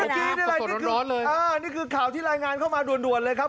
เมื่อกี้นี่อะไรสดร้อนร้อนเลยอ่านี่คือข่าวที่รายงานเข้ามาด่วนด่วนเลยครับ